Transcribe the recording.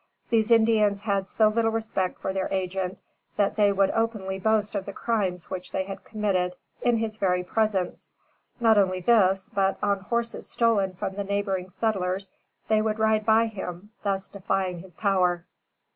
These Indians had so little respect for their agent, that they would openly boast of the crimes which they had committed, in his very presence. Not only this, but, on horses stolen from the neighboring settlers, they would ride by him, thus defying his power.